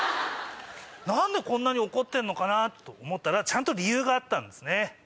何でこんなに怒ってるのかなと思ったらちゃんと理由があったんですね。